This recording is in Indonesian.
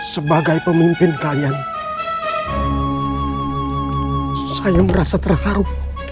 sebagai pemimpin kalian saya merasa terharu